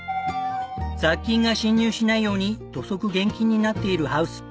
雑菌が侵入しないように土足厳禁になっているハウス。